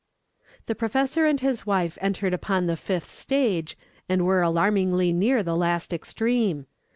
The professor and his wife entered upon the fifth stage, and were alarmingly near the last extreme.